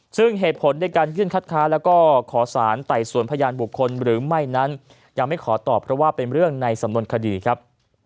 ซึ่งเหตุผลในการยื่นคัดค้าแล้วก็ขอสารไต่สวนพยานบุคคลหรือไม่นั้นยังไม่ขอตอบเพราะว่าเป็นเรื่องในสำนวนคดีครับ